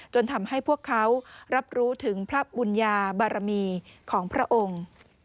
ทำให้พวกเขารับรู้ถึงพระปุญญาบารมีของพระองค์